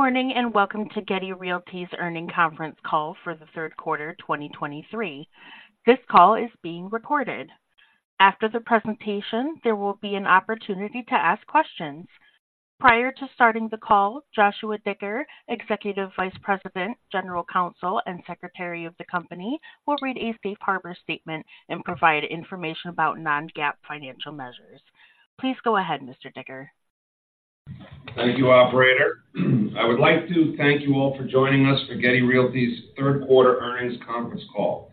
Good morning, and welcome to Getty Realty's Earnings Conference Call for the third quarter, 2023. This call is being recorded. After the presentation, there will be an opportunity to ask questions. Prior to starting the call, Joshua Dicker, Executive Vice President, General Counsel, and Secretary of the company, will read a safe harbor statement and provide information about non-GAAP financial measures. Please go ahead, Mr. Dicker. Thank you, operator. I would like to thank you all for joining us for Getty Realty's third quarter earnings conference call.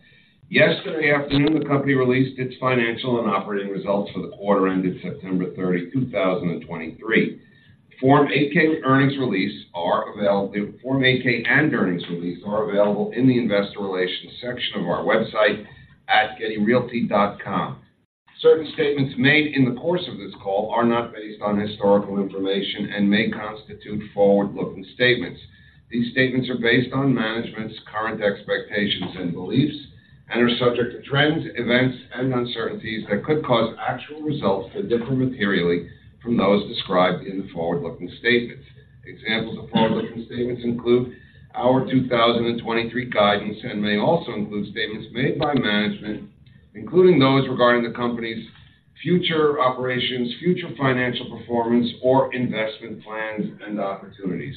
Yesterday afternoon, the company released its financial and operating results for the quarter ended September 30, 2023. Form 8-K and earnings release are available in the investor relations section of our website at gettyrealty.com. Certain statements made in the course of this call are not based on historical information and may constitute forward-looking statements. These statements are based on management's current expectations and beliefs and are subject to trends, events, and uncertainties that could cause actual results to differ materially from those described in the forward-looking statements. Examples of forward-looking statements include our 2023 guidance, and may also include statements made by management, including those regarding the company's future operations, future financial performance, or investment plans and opportunities.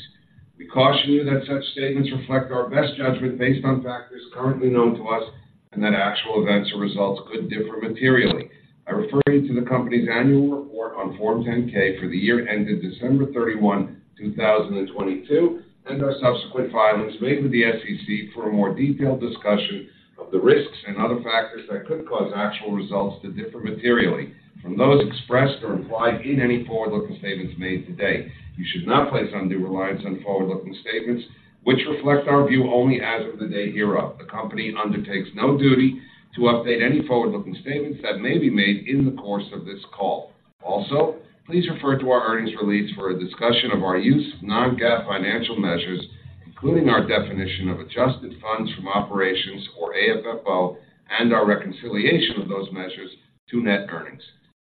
We caution you that such statements reflect our best judgment based on factors currently known to us, and that actual events or results could differ materially. I refer you to the company's annual report on Form 10-K for the year ended December 31, 2022, and our subsequent filings made with the SEC for a more detailed discussion of the risks and other factors that could cause actual results to differ materially from those expressed or implied in any forward-looking statements made today. You should not place undue reliance on forward-looking statements, which reflect our view only as of the day hereof. The company undertakes no duty to update any forward-looking statements that may be made in the course of this call. Also, please refer to our earnings release for a discussion of our use of non-GAAP financial measures, including our definition of adjusted funds from operations, or AFFO, and our reconciliation of those measures to net earnings.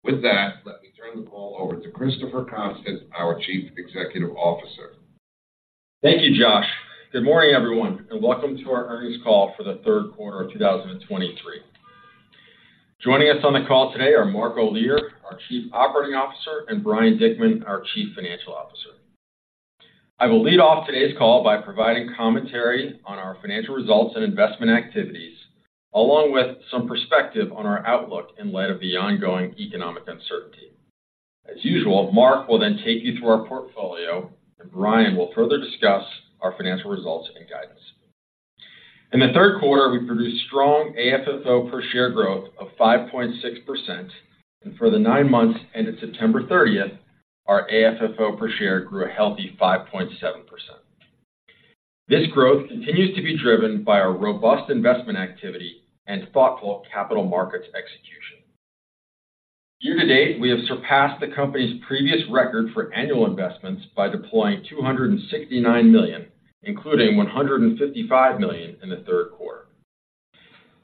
With that, let me turn the call over to Christopher Constant, our Chief Executive Officer. Thank you, Josh. Good morning, everyone, and welcome to our earnings call for the third quarter of 2023. Joining us on the call today are Mark Olear, our Chief Operating Officer, and Brian Dickman, our Chief Financial Officer. I will lead off today's call by providing commentary on our financial results and investment activities, along with some perspective on our outlook in light of the ongoing economic uncertainty. As usual, Mark will then take you through our portfolio, and Brian will further discuss our financial results and guidance. In the third quarter, we produced strong AFFO per share growth of 5.6%, and for the nine months ended September 30, our AFFO per share grew a healthy 5.7%. This growth continues to be driven by our robust investment activity and thoughtful capital markets execution. Year to date, we have surpassed the company's previous record for annual investments by deploying $269 million, including $155 million in the third quarter.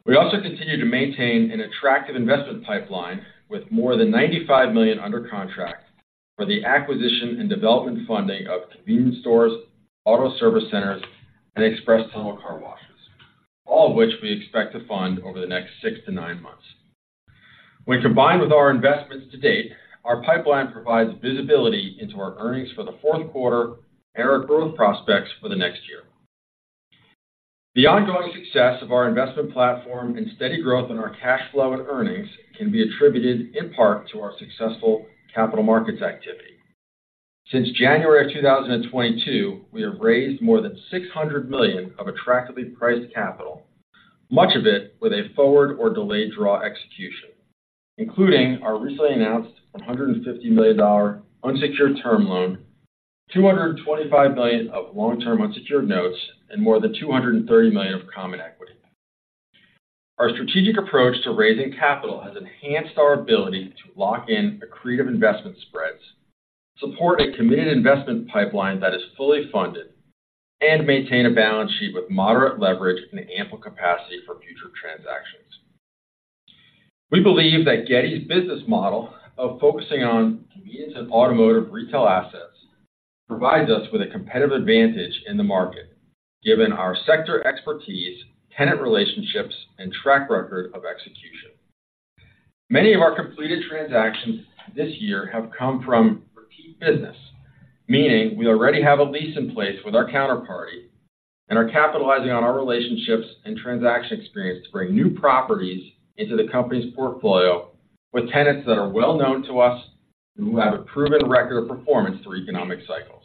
We also continue to maintain an attractive investment pipeline with more than $95 million under contract for the acquisition and development funding of convenience stores, auto service centers, and express tunnel car washes, all of which we expect to fund over the next 6-9 months. When combined with our investments to date, our pipeline provides visibility into our earnings for the fourth quarter and our growth prospects for the next year. The ongoing success of our investment platform and steady growth in our cash flow and earnings can be attributed in part to our successful capital markets activity. Since January 2022, we have raised more than $600 million of attractively priced capital, much of it with a forward or delayed draw execution, including our recently announced $150 million unsecured term loan, $225 million of long-term unsecured notes, and more than $230 million of common equity. Our strategic approach to raising capital has enhanced our ability to lock in accretive investment spreads, support a committed investment pipeline that is fully funded, and maintain a balance sheet with moderate leverage and ample capacity for future transactions. We believe that Getty's business model of focusing on convenience and automotive retail assets provides us with a competitive advantage in the market, given our sector expertise, tenant relationships, and track record of execution. Many of our completed transactions this year have come from repeat business, meaning we already have a lease in place with our counterparty and are capitalizing on our relationships and transaction experience to bring new properties into the company's portfolio with tenants that are well-known to us and who have a proven record of performance through economic cycles.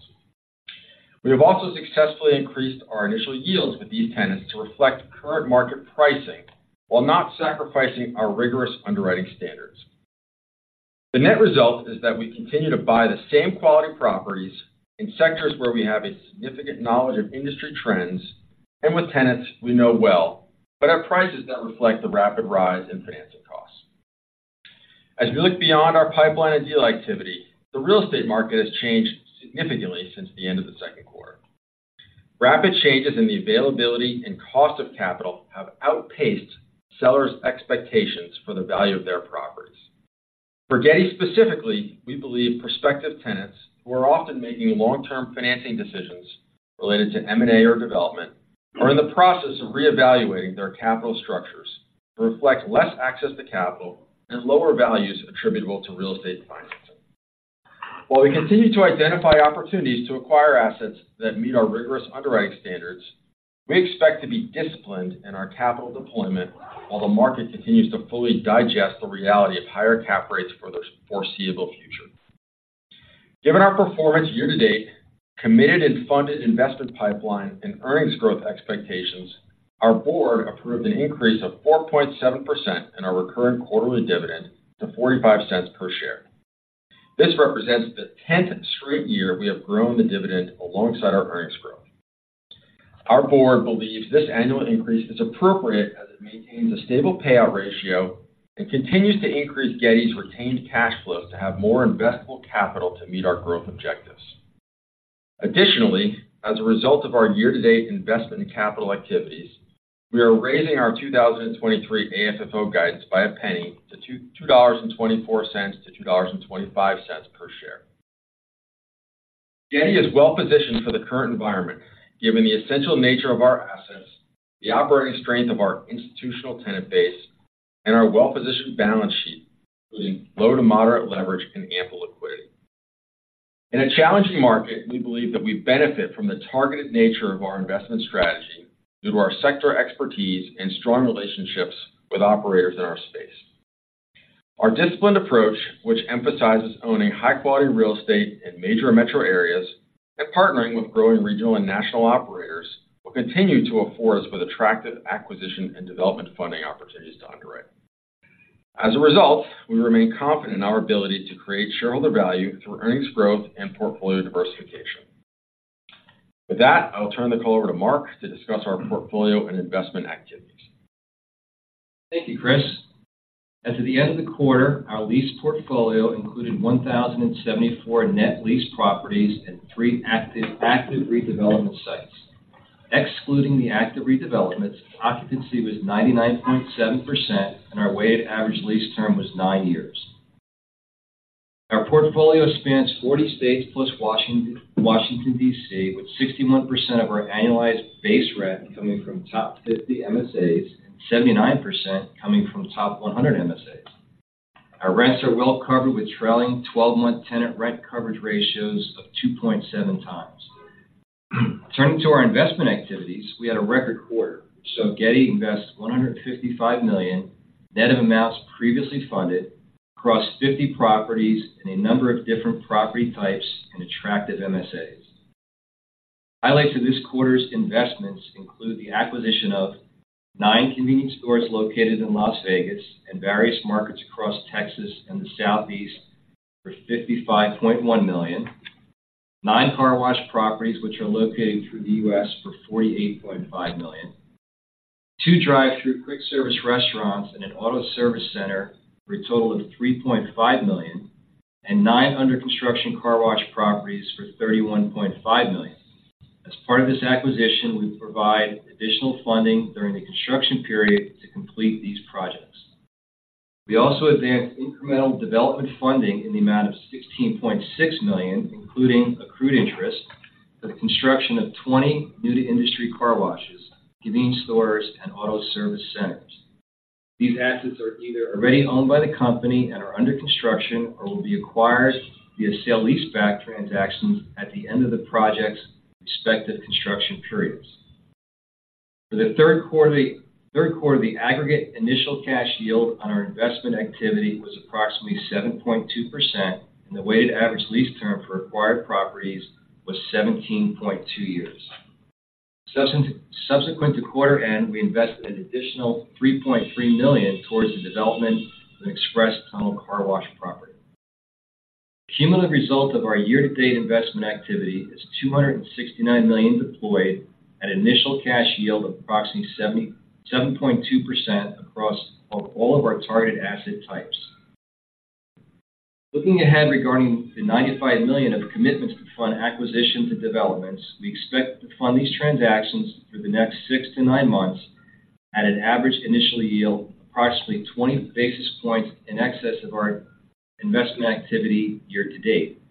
We have also successfully increased our initial yields with these tenants to reflect current market pricing while not sacrificing our rigorous underwriting standards. The net result is that we continue to buy the same quality properties in sectors where we have a significant knowledge of industry trends and with tenants we know well, but at prices that reflect the rapid rise in financing costs. As we look beyond our pipeline and deal activity, the real estate market has changed significantly since the end of the second quarter. Rapid changes in the availability and cost of capital have outpaced sellers' expectations for the value of their properties. For Getty specifically, we believe prospective tenants, who are often making long-term financing decisions related to M&A or development, are in the process of reevaluating their capital structures to reflect less access to capital and lower values attributable to real estate financing. While we continue to identify opportunities to acquire assets that meet our rigorous underwriting standards, we expect to be disciplined in our capital deployment while the market continues to fully digest the reality of higher cap rates for the foreseeable future. Given our performance year-to-date, committed and funded investment pipeline and earnings growth expectations, our board approved an increase of 4.7% in our recurring quarterly dividend to $0.45 per share. This represents the 10th straight year we have grown the dividend alongside our earnings growth. Our board believes this annual increase is appropriate as it maintains a stable payout ratio and continues to increase Getty's retained cash flows to have more investable capital to meet our growth objectives. Additionally, as a result of our year-to-date investment in capital activities, we are raising our 2023 AFFO guidance by a penny to $2.24-$2.25 per share. Getty is well positioned for the current environment, given the essential nature of our assets, the operating strength of our institutional tenant base, and our well-positioned balance sheet, including low to moderate leverage and ample liquidity. In a challenging market, we believe that we benefit from the targeted nature of our investment strategy due to our sector expertise and strong relationships with operators in our space. Our disciplined approach, which emphasizes owning high-quality real estate in major metro areas and partnering with growing regional and national operators, will continue to afford us with attractive acquisition and development funding opportunities to underwrite. As a result, we remain confident in our ability to create shareholder value through earnings growth and portfolio diversification. With that, I'll turn the call over to Mark to discuss our portfolio and investment activities. Thank you, Chris. As of the end of the quarter, our lease portfolio included 1,074 net lease properties and three active redevelopment sites. Excluding the active redevelopments, occupancy was 99.7%, and our weighted average lease term was nine years. Our portfolio spans 40 states plus Washington, D.C., with 61% of our annualized base rent coming from top 50 MSAs and 79% coming from top 100 MSAs. Our rents are well covered, with trailing 12-month tenant rent coverage ratios of 2.7x. Turning to our investment activities, we had a record quarter, saw Getty invest $155 million net of amounts previously funded across 50 properties in a number of different property types and attractive MSAs. Highlights of this quarter's investments include the acquisition of 9 convenience stores located in Las Vegas and various markets across Texas and the Southeast for $55.1 million, 9 car wash properties, which are located through the U.S. for $48.5 million, 2 drive-through quick service restaurants and an auto service center for a total of $3.5 million, and 9 under construction car wash properties for $31.5 million. As part of this acquisition, we provide additional funding during the construction period to complete these projects. We also advanced incremental development funding in the amount of $16.6 million, including accrued interest, for the construction of 20 new-to-industry car washes, convenience stores, and auto service centers. These assets are either already owned by the company and are under construction or will be acquired via sale-leaseback transactions at the end of the projects' respective construction periods. For the third quarter, the aggregate initial cash yield on our investment activity was approximately 7.2%, and the weighted average lease term for acquired properties was 17.2 years. Subsequent to quarter end, we invested an additional $3.3 million towards the development of an express tunnel car wash property. The cumulative result of our year-to-date investment activity is $269 million deployed at an initial cash yield of approximately 7.2% across all of our targeted asset types. Looking ahead, regarding the $95 million of commitments to fund acquisitions and developments, we expect to fund these transactions through the next 6-9 months at an average initial yield, approximately 20 basis points in excess of our investment activity year to date.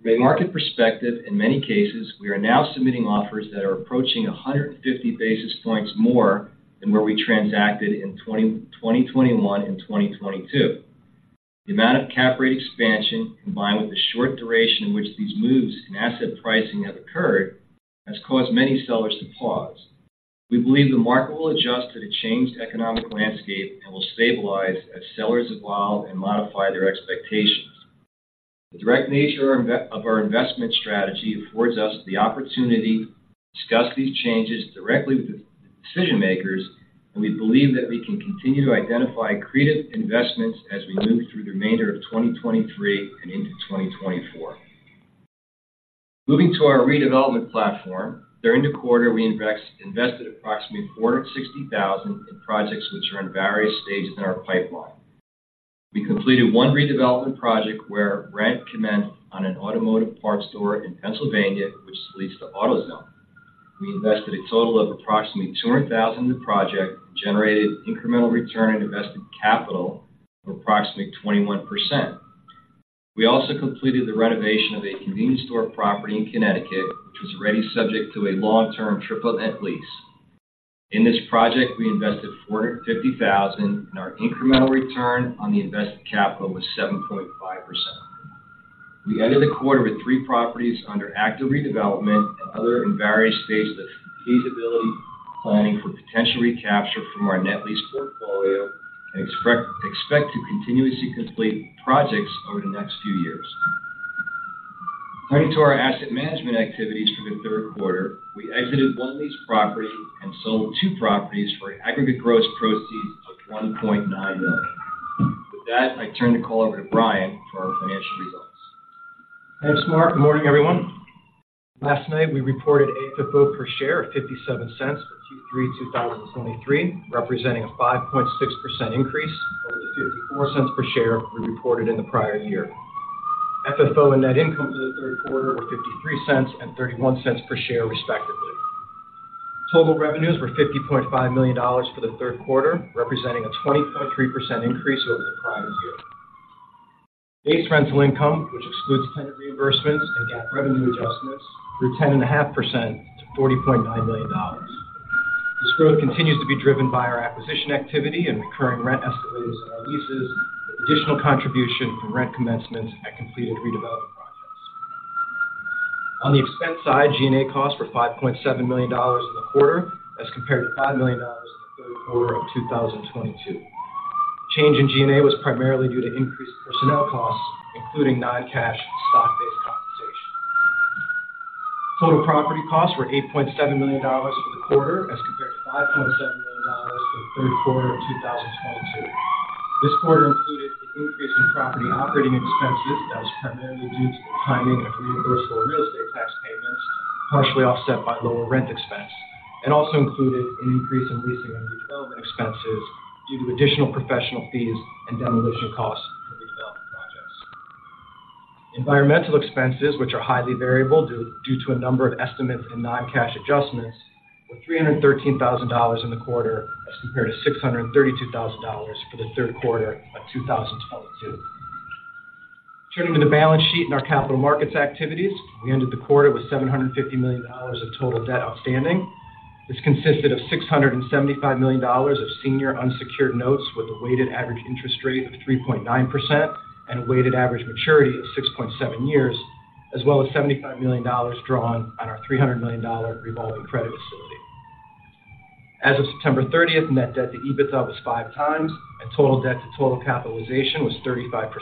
From a market perspective, in many cases, we are now submitting offers that are approaching 150 basis points more than where we transacted in 2021 and 2022. The amount of cap rate expansion, combined with the short duration in which these moves in asset pricing have occurred, has caused many sellers to pause. We believe the market will adjust to the changed economic landscape and will stabilize as sellers evolve and modify their expectations. The direct nature of our investment strategy affords us the opportunity to discuss these changes directly with the decision makers, and we believe that we can continue to identify creative investments as we move through the remainder of 2023 and into 2024. Moving to our redevelopment platform, during the quarter, we invested approximately $460,000 in projects which are in various stages in our pipeline. We completed one redevelopment project where rent commenced on an automotive parts store in Pennsylvania, which is leased to AutoZone. We invested a total of approximately $200,000 in the project, generated incremental return on invested capital of approximately 21%. We also completed the renovation of a convenience store property in Connecticut, which was already subject to a long-term triple net lease. In this project, we invested $450,000, and our incremental return on the invested capital was 7.5%. We ended the quarter with three properties under active redevelopment and other in various stages of feasibility planning for potential recapture from our net lease portfolio, and expect to continuously complete projects over the next few years. Turning to our asset management activities for the third quarter, we exited one lease property and sold two properties for an aggregate gross proceeds of $1.9 million. With that, I turn the call over to Brian for our financial results. Thanks, Mark. Good morning, everyone. Last night, we reported FFO per share of $0.57 for Q3 2023, representing a 5.6% increase over the $0.54 per share we reported in the prior year. FFO and net income for the third quarter were $0.53 and $0.31 per share, respectively. Total revenues were $50.5 million for the third quarter, representing a 20.3% increase over the prior year. Base rental income, which excludes tenant reimbursements and GAAP revenue adjustments, grew 10.5% to $40.9 million. This growth continues to be driven by our acquisition activity and recurring rent escalators in our leases, with additional contribution from rent commencement and completed redevelopment projects. On the expense side, G&A costs were $5.7 million in the quarter, as compared to $5 million in the third quarter of 2022. Change in G&A was primarily due to increased personnel costs, including non-cash stock-based compensation. Total property costs were $8.7 million for the quarter, as compared to $5.7 million for the third quarter of 2022. This quarter included an increase in property operating expenses that was primarily due to the timing of reimbursable real estate tax payments, partially offset by lower rent expense, and also included an increase in leasing and redevelopment expenses due to additional professional fees and demolition costs for redevelopment projects. Environmental expenses, which are highly variable due to a number of estimates and non-cash adjustments, were $313,000 in the quarter, as compared to $632,000 for the third quarter of 2022. Turning to the balance sheet and our capital markets activities, we ended the quarter with $750 million of total debt outstanding. This consisted of $675 million of senior unsecured notes, with a weighted average interest rate of 3.9% and a weighted average maturity of 6.7 years, as well as $75 million drawn on our $300 million revolving credit facility. As of September 30, net debt to EBITDA was 5x, and total debt to total capitalization was 35%,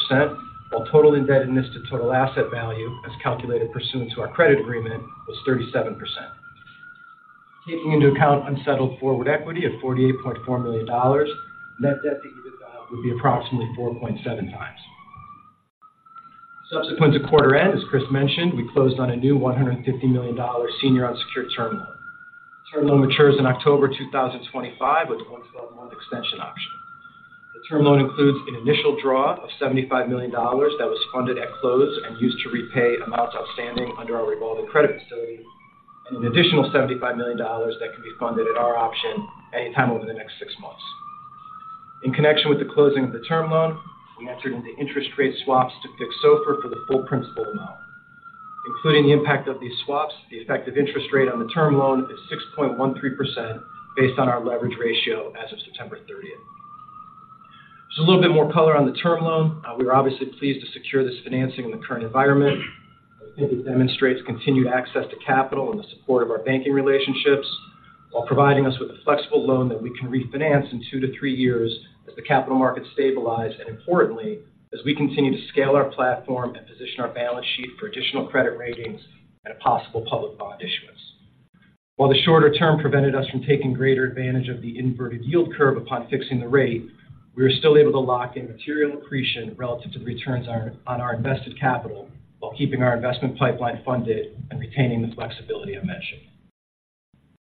while total indebtedness to total asset value, as calculated pursuant to our credit agreement, was 37%. Taking into account unsettled forward equity of $48.4 million, net debt to EBITDA would be approximately 4.7x. Subsequent to quarter end, as Chris mentioned, we closed on a new $150 million senior unsecured term loan. The term loan matures in October 2025, with a one- to twelve-month extension option. The term loan includes an initial draw of $75 million that was funded at close and used to repay amounts outstanding under our revolving credit facility, and an additional $75 million that can be funded at our option anytime over the next six months. In connection with the closing of the term loan, we entered into interest rate swaps to fix SOFR for the full principal amount. Including the impact of these swaps, the effective interest rate on the term loan is 6.13% based on our leverage ratio as of September 30. Just a little bit more color on the term loan. We were obviously pleased to secure this financing in the current environment. I think it demonstrates continued access to capital and the support of our banking relationships, while providing us with a flexible loan that we can refinance in two-three years as the capital markets stabilize, and importantly, as we continue to scale our platform and position our balance sheet for additional credit ratings at a possible public bond issuance. While the shorter term prevented us from taking greater advantage of the inverted yield curve upon fixing the rate, we were still able to lock in material accretion relative to the returns on our invested capital, while keeping our investment pipeline funded and retaining the flexibility I mentioned.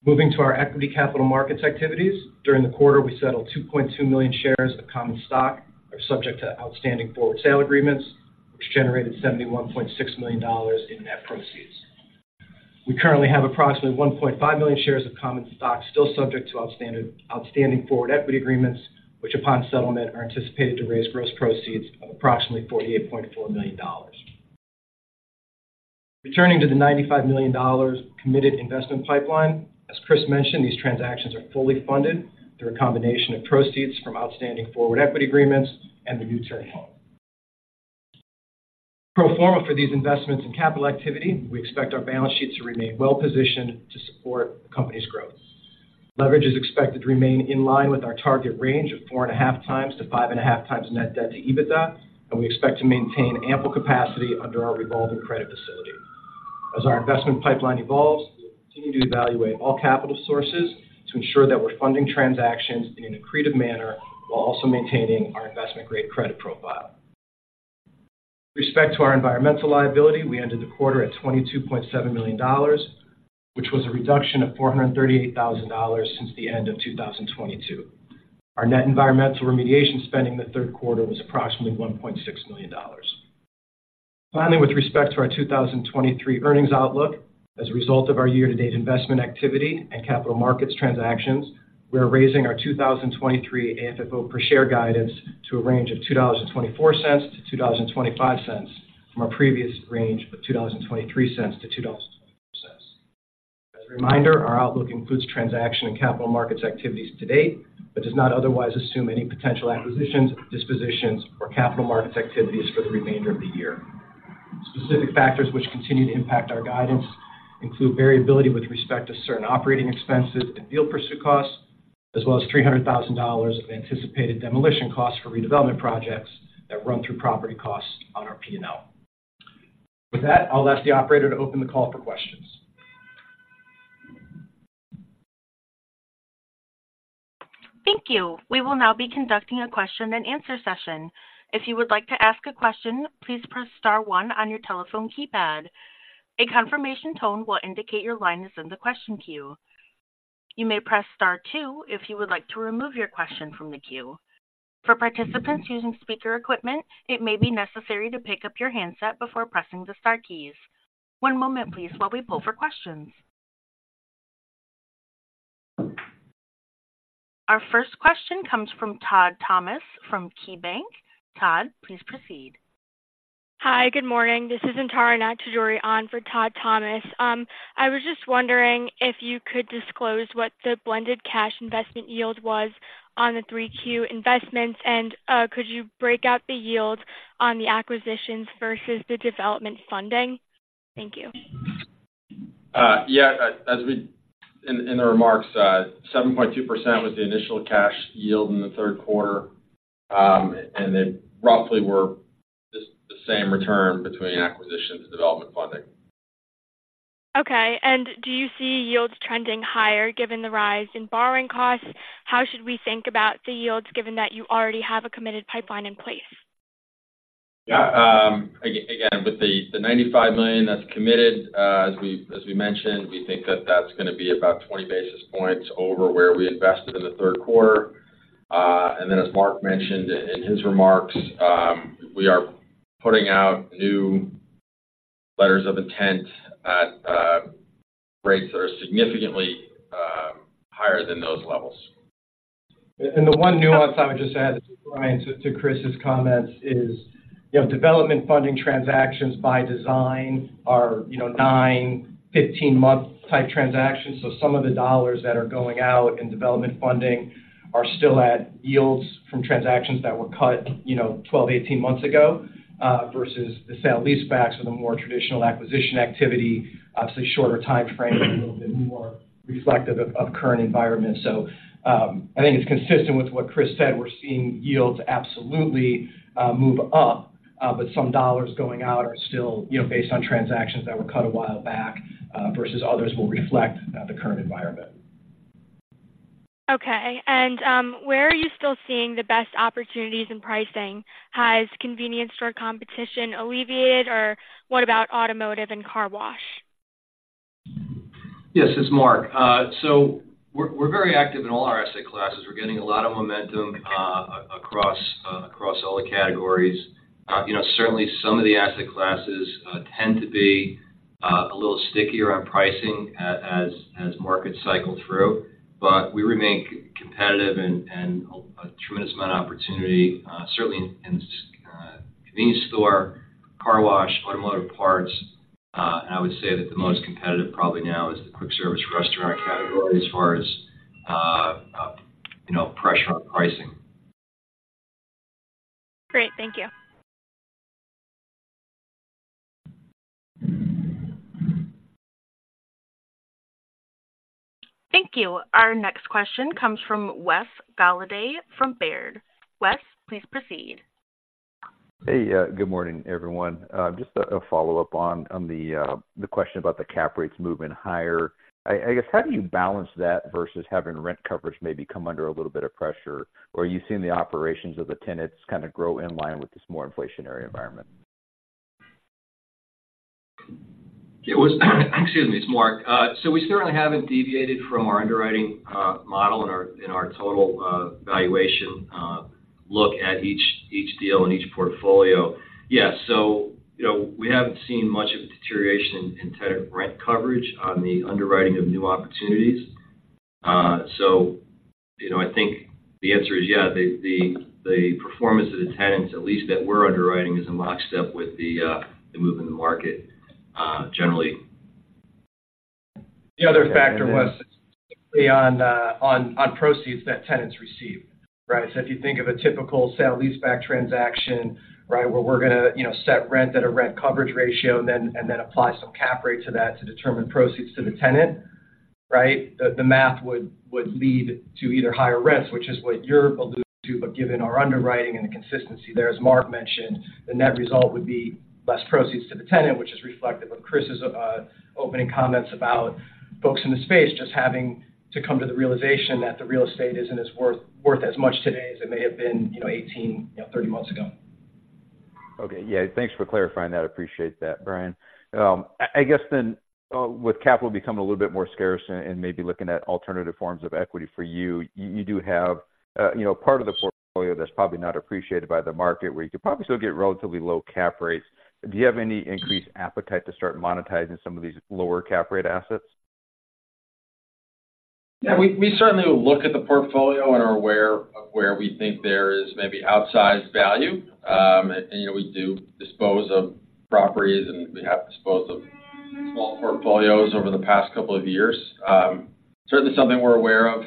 Moving to our equity capital markets activities. During the quarter, we settled 2.2 million shares of common stock subject to outstanding forward sale agreements, which generated $71.6 million in net proceeds. We currently have approximately 1.5 million shares of common stock still subject to outstanding forward equity agreements, which, upon settlement, are anticipated to raise gross proceeds of approximately $48.4 million. Returning to the $95 million committed investment pipeline, as Chris mentioned, these transactions are fully funded through a combination of proceeds from outstanding forward equity agreements and the new term loan. Pro forma for these investments in capital activity, we expect our balance sheet to remain well-positioned to support the company's growth. Leverage is expected to remain in line with our target range of 4.5x-5.5x net debt to EBITDA, and we expect to maintain ample capacity under our revolving credit facility. As our investment pipeline evolves, we'll continue to evaluate all capital sources to ensure that we're funding transactions in an accretive manner while also maintaining our investment-grade credit profile. With respect to our environmental liability, we ended the quarter at $22.7 million, which was a reduction of $438,000 since the end of 2022. Our net environmental remediation spending in the third quarter was approximately $1.6 million. Finally, with respect to our 2023 earnings outlook, as a result of our year-to-date investment activity and capital markets transactions, we are raising our 2023 AFFO per share guidance to a range of $2.24-$2.25, from our previous range of $2.23-$2.20. As a reminder, our outlook includes transaction and capital markets activities to date, but does not otherwise assume any potential acquisitions, dispositions, or capital markets activities for the remainder of the year. Specific factors which continue to impact our guidance include variability with respect to certain operating expenses and deal pursuit costs, as well as $300,000 of anticipated demolition costs for redevelopment projects that run through property costs on our P&L. With that, I'll ask the operator to open the call for questions. Thank you. We will now be conducting a question-and-answer session. If you would like to ask a question, please press star one on your telephone keypad. A confirmation tone will indicate your line is in the question queue. You may press star two if you would like to remove your question from the queue. For participants using speaker equipment, it may be necessary to pick up your handset before pressing the star keys. One moment, please, while we pull for questions. Our first question comes from Todd Thomas from KeyBanc. Todd, please proceed. Hi, good morning. This is Antara Nataraj on for Todd Thomas. I was just wondering if you could disclose what the blended cash investment yield was on the 3Q investments, and, could you break out the yield on the acquisitions versus the development funding? Thank you. Yeah, in the remarks, 7.2% was the initial cash yield in the third quarter. And they roughly were the same return between acquisition and development funding. Okay. And do you see yields trending higher given the rise in borrowing costs? How should we think about the yields, given that you already have a committed pipeline in place? Yeah, again, with the 95 million that's committed, as we mentioned, we think that that's gonna be about 20 basis points over where we invested in the third quarter. And then, as Mark mentioned in his remarks, we are putting out new letters of intent at rates that are significantly higher than those levels. And the one nuance I would just add to, to Chris's comments is, you know, development funding transactions by design are, you know, 9-15-month type transactions. So some of the dollars that are going out in development funding are still at yields from transactions that were cut, you know, 12-18 months ago, versus the sale-leasebacks or the more traditional acquisition activity, obviously, shorter time frame, and a little bit more reflective of, of current environment. So, I think it's consistent with what Chris said. We're seeing yields absolutely, move up, but some dollars going out are still, you know, based on transactions that were cut a while back, versus others will reflect, the current environment. Okay. And, where are you still seeing the best opportunities in pricing? Has convenience store competition alleviated, or what about automotive and car wash? Yes, it's Mark. So we're very active in all our asset classes. We're getting a lot of momentum across all the categories. You know, certainly, some of the asset classes tend to be a little stickier on pricing as markets cycle through, but we remain competitive and a tremendous amount of opportunity, certainly in convenience store, car wash, automotive parts. And I would say that the most competitive probably now is the quick-service restaurant category as far as, you know, pressure on pricing. Great. Thank you. Thank you. Our next question comes from Wes Golladay, from Baird. Wes, please proceed. Hey, good morning, everyone. Just a follow-up on the question about the cap rates moving higher. I guess, how do you balance that versus having rent coverage maybe come under a little bit of pressure? Or are you seeing the operations of the tenants kind of grow in line with this more inflationary environment? It was, excuse me, it's Mark. So we certainly haven't deviated from our underwriting model and our total valuation look at each deal and each portfolio. Yeah, so you know, we haven't seen much of a deterioration in tenant rent coverage on the underwriting of new opportunities. So you know, I think the answer is yes, the performance of the tenants, at least that we're underwriting, is in lockstep with the movement in the market generally. The other factor, Wes, is on the proceeds that tenants receive, right? So if you think of a typical sale-leaseback transaction, right, where we're gonna, you know, set rent at a rent coverage ratio and then apply some cap rate to that to determine proceeds to the tenant, right? The math would lead to either higher rents, which is what you're alluding to, but given our underwriting and the consistency there, as Mark mentioned, the net result would be less proceeds to the tenant, which is reflective of Chris's opening comments about folks in the space just having to come to the realization that the real estate isn't as worth as much today as it may have been, you know, 18, you know, 30 months ago. Okay. Yeah, thanks for clarifying that. I appreciate that, Brian. I guess then, with capital becoming a little bit more scarce and maybe looking at alternative forms of equity for you, you do have, you know, part of the portfolio that's probably not appreciated by the market, where you could probably still get relatively low cap rates. Do you have any increased appetite to start monetizing some of these lower cap rate assets? Yeah, we, we certainly will look at the portfolio and are aware of where we think there is maybe outsized value. And, you know, we do dispose of properties, and we have disposed of small portfolios over the past couple of years. Certainly something we're aware of.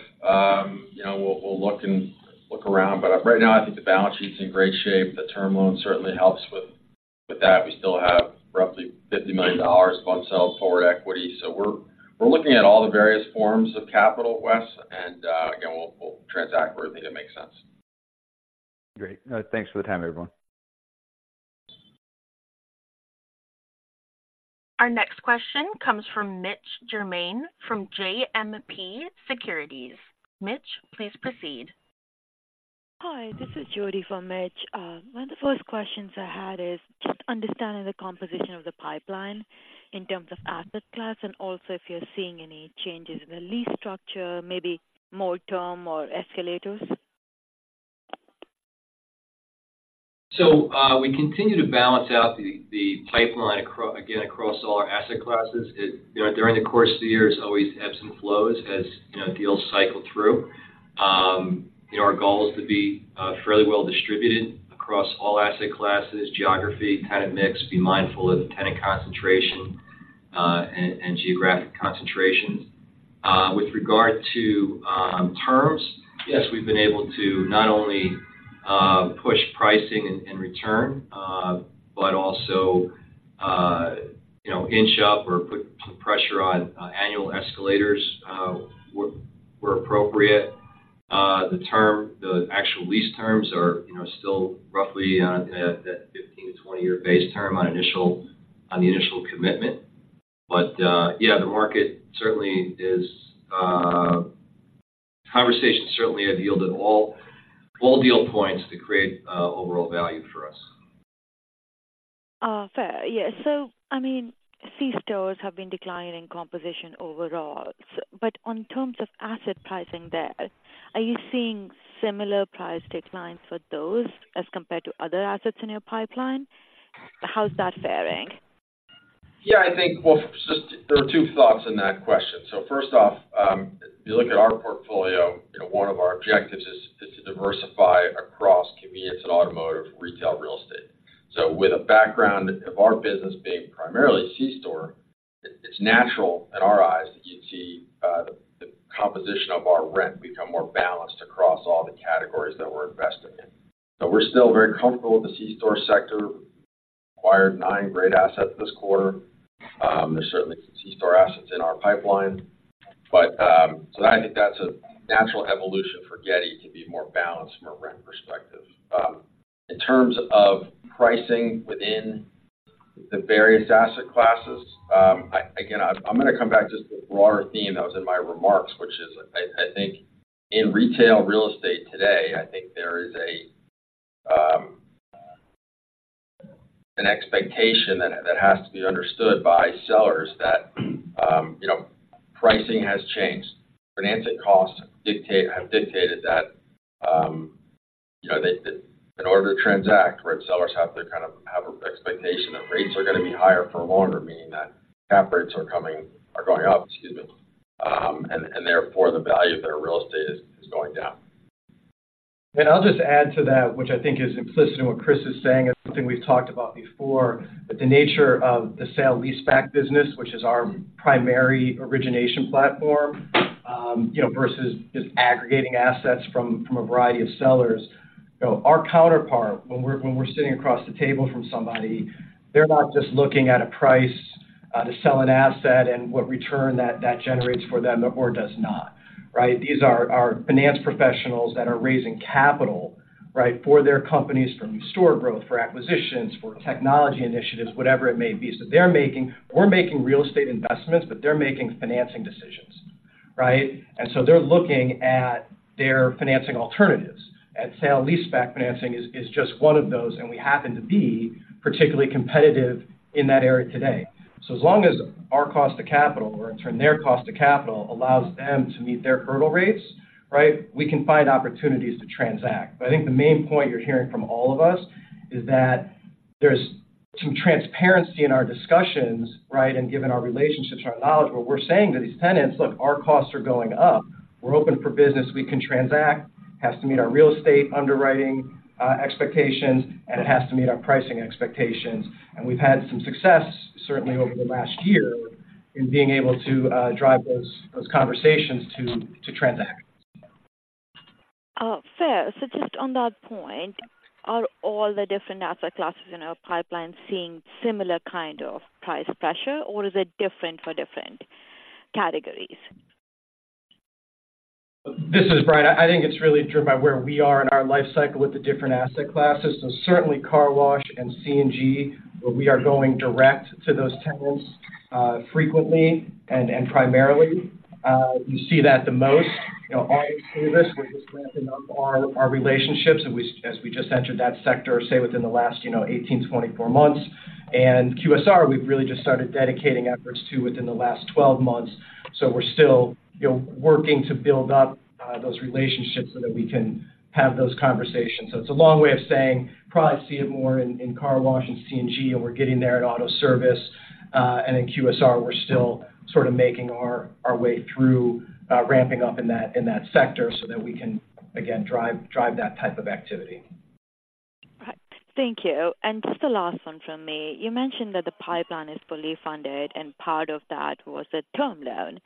You know, we'll, we'll look and look around, but right now I think the balance sheet's in great shape. The term loan certainly helps with, with that. We still have roughly $50 million of unsold forward equity. So we're, we're looking at all the various forms of capital, Wes, and, again, we'll, we'll transact where we think it makes sense. Great. Thanks for the time, everyone. Our next question comes from Mitch Germain, from JMP Securities. Mitch, please proceed. Hi, this is Jody from Mitch. One of the first questions I had is just understanding the composition of the pipeline in terms of asset class and also if you're seeing any changes in the lease structure, maybe more term or escalators. So, we continue to balance out the pipeline across all our asset classes. It. You know, during the course of the year, it's always ebbs and flows as, you know, deals cycle through. And our goal is to be fairly well-distributed across all asset classes, geography, kind of mix, be mindful of the tenant concentration, and geographic concentrations. With regard to terms, yes, we've been able to not only push pricing and return but also you know, inch up or put some pressure on annual escalators where appropriate. The term, the actual lease terms are you know, still roughly on that 15-year to 20-year base term on initial, on the initial commitment. Yeah, the market certainly is. Conversations certainly have yielded all, all deal points to create overall value for us. Fair. Yes. So, I mean, C-stores have been declining composition overall, but on terms of asset pricing there, are you seeing similar price declines for those as compared to other assets in your pipeline? How's that faring? Yeah, I think, well, just there are two thoughts in that question. So first off, if you look at our portfolio, you know, one of our objectives is to diversify across convenience and automotive retail real estate. So with a background of our business being primarily C-store, it's natural in our eyes that you'd see the composition of our rent become more balanced across all the categories that we're investing in. But we're still very comfortable with the C-store sector, acquired 9 great assets this quarter. There's certainly some C-store assets in our pipeline, but so I think that's a natural evolution for Getty to be more balanced from a rent perspective. In terms of pricing within the various asset classes, again, I'm gonna come back just to the broader theme that was in my remarks, which is, I think in retail real estate today, I think there is an expectation that has to be understood by sellers that, you know, pricing has changed. Financing costs have dictated that, you know, that in order to transact, right, sellers have to kind of have an expectation that rates are gonna be higher for longer, meaning that cap rates are going up, excuse me. And therefore, the value of their real estate is going down. And I'll just add to that, which I think is implicit in what Chris is saying, and something we've talked about before, that the nature of the sale-leaseback business, which is our primary origination platform, you know, versus just aggregating assets from a variety of sellers. You know, our counterpart, when we're sitting across the table from somebody, they're not just looking at a price to sell an asset and what return that generates for them or does not, right? These are finance professionals that are raising capital, right, for their companies, from store growth, for acquisitions, for technology initiatives, whatever it may be. So they're making - we're making real estate investments, but they're making financing decisions, right? And so they're looking at their financing alternatives, and sale-leaseback financing is, is just one of those, and we happen to be particularly competitive in that area today. So as long as our cost to capital or in turn, their cost to capital, allows them to meet their hurdle rates, right, we can find opportunities to transact. But I think the main point you're hearing from all of us is that there's some transparency in our discussions, right, and given our relationships and our knowledge, where we're saying to these tenants, "Look, our costs are going up. We're open for business, we can transact, has to meet our real estate underwriting expectations, and it has to meet our pricing expectations." And we've had some success, certainly over the last year, in being able to drive those, those conversations to, to transact. Fair. So just on that point, are all the different asset classes in our pipeline seeing similar kind of price pressure, or is it different for different categories? ... This is Brian. I think it's really driven by where we are in our life cycle with the different asset classes. So certainly car wash and C&G, where we are going direct to those tenants frequently and primarily. You see that the most, you know, auto service. We're just ramping up our relationships, and as we just entered that sector, say, within the last, you know, 18-24 months. QSR, we've really just started dedicating efforts to within the last 12 months. So we're still, you know, working to build up those relationships so that we can have those conversations. So it's a long way of saying probably see it more in car wash and C&G, and we're getting there in auto service. In QSR, we're still sort of making our way through ramping up in that sector so that we can, again, drive that type of activity. Right. Thank you. And just the last one from me. You mentioned that the pipeline is fully funded, and part of that was a term loan.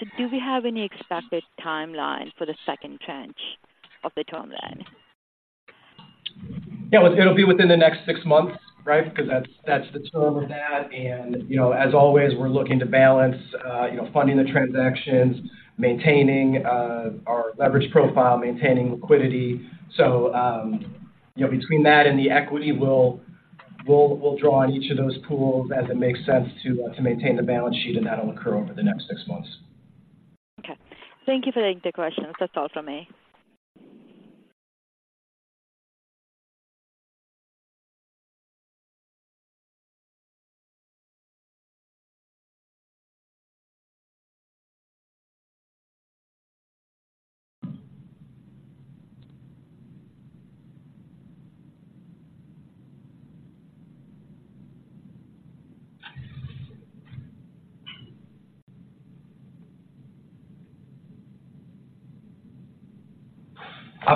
So do we have any expected timeline for the second tranche of the term loan? Yeah. It's gonna be within the next six months, right? Because that's, that's the term of that. And, you know, as always, we're looking to balance, you know, funding the transactions, maintaining, our leverage profile, maintaining liquidity. So, you know, between that and the equity, we'll, we'll, we'll draw on each of those pools as it makes sense to, to maintain the balance sheet, and that'll occur over the next six months. Okay. Thank you for taking the questions. That's all from me.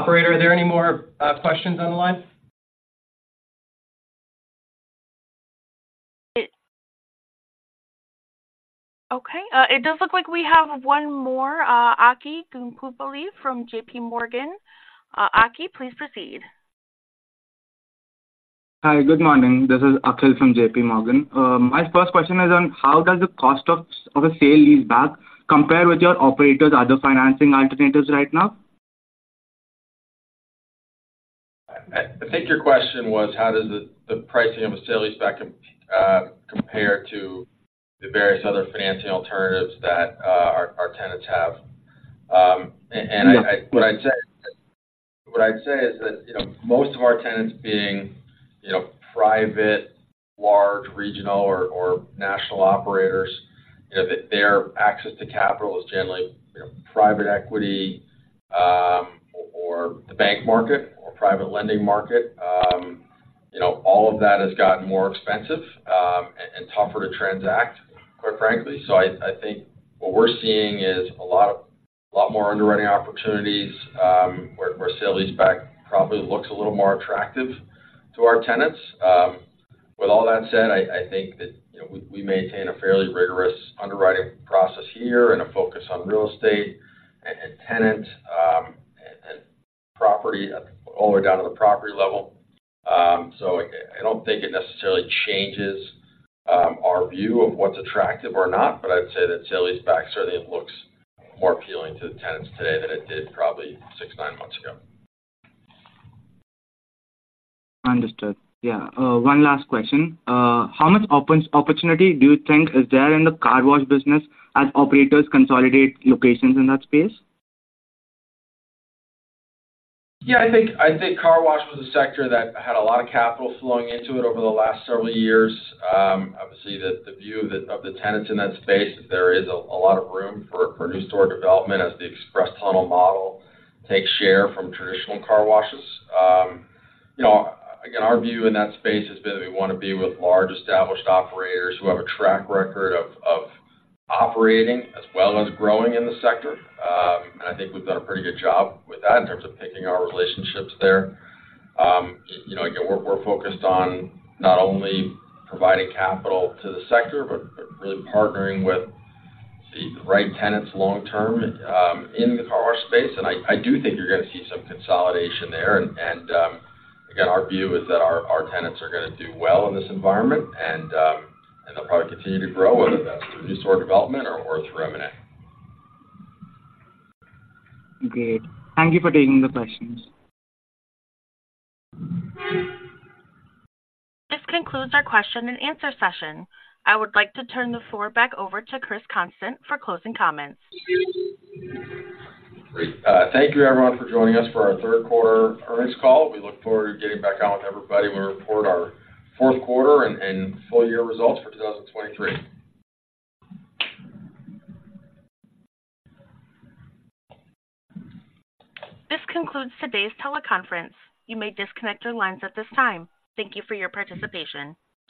Operator, are there any more questions on the line? Okay, it does look like we have one more. Akhil Guntupalli from J.P. Morgan. Akhil, please proceed. Hi, good morning. This is Akhil from J.P. Morgan. My first question is on how the cost of a sale leaseback compares with your operators' other financing alternatives right now? I think your question was, how does the pricing of a sale leaseback compare to the various other financing alternatives that our tenants have? And I- Yeah. What I'd say, what I'd say is that, you know, most of our tenants being, you know, private, large, regional or national operators, you know, that their access to capital is generally, you know, private equity, or the bank market or private lending market. You know, all of that has gotten more expensive, and tougher to transact, quite frankly. So I, I think what we're seeing is a lot, a lot more underwriting opportunities, where sale-leaseback probably looks a little more attractive to our tenants. With all that said, I, I think that, you know, we, we maintain a fairly rigorous underwriting process here and a focus on real estate and tenant, and property, all the way down to the property level. So I don't think it necessarily changes our view of what's attractive or not, but I'd say that sale-leaseback certainly looks more appealing to the tenants today than it did probably 6-9 months ago. Understood. Yeah. One last question. How much opportunity do you think is there in the car wash business as operators consolidate locations in that space? Yeah, I think car wash was a sector that had a lot of capital flowing into it over the last several years. Obviously, the view of the tenants in that space is there is a lot of room for new store development as the express tunnel model takes share from traditional car washes. You know, again, our view in that space has been we wanna be with large, established operators who have a track record of operating as well as growing in the sector. And I think we've done a pretty good job with that in terms of picking our relationships there. You know, again, we're focused on not only providing capital to the sector but really partnering with the right tenants long term, in the car wash space. I do think you're gonna see some consolidation there. And again, our view is that our tenants are gonna do well in this environment, and they'll probably continue to grow, whether that's through new store development or through M&A. Great. Thank you for taking the questions. This concludes our question and answer session. I would like to turn the floor back over to Chris Constant for closing comments. Great. Thank you, everyone, for joining us for our third quarter earnings call. We look forward to getting back out with everybody when we report our fourth quarter and full year results for 2023. This concludes today's teleconference. You may disconnect your lines at this time. Thank you for your participation.